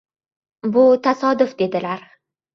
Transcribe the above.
Bu — tasodif, dedilar.